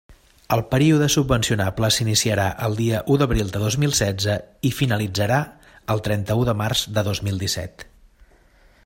El període subvencionable s'iniciarà el dia u d'abril de dos mil setze i finalitzarà el trenta-u de març de dos mil dèsset.